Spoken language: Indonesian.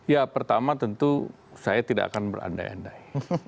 ya pertama tentu saya tidak akan berandai andai